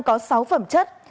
có sáu phẩm chất